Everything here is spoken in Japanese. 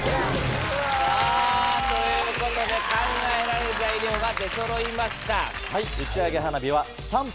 さぁということで考えられる材料が出そろいました。